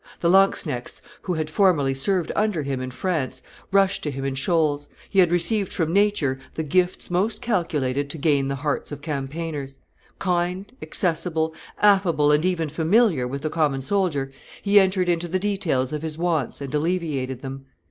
The lanzknechts, who had formerly served under him in France, rushed to him in shoals; he had received from nature the gifts most calculated to gain the hearts of campaigners: kind, accessible, affable and even familiar with the common soldier, he entered into the details of his wants and alleviated them.